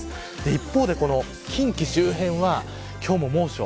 一方で、近畿周辺は今日も猛暑。